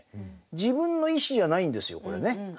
自分の意思じゃないんですよこれね。